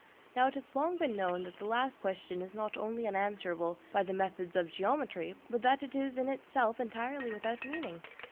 Now it has long been known that the last question is not only unanswerable by the methods of geometry, but that it is in itself entirely without meaning.